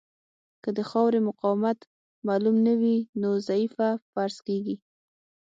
که د خاورې مقاومت معلوم نه وي نو ضعیفه فرض کیږي